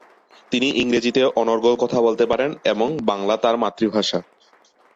তিনি ইংরেজিতে অনর্গল কথা বলতে পারেন এবং বাংলা তার মাতৃভাষা।